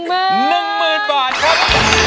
๑หมื่นบาทครับ